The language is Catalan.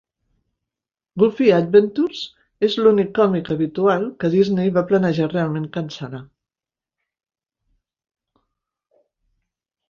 "Goofy Adventures" és l'únic còmic habitual que Disney va planejar realment cancel·lar.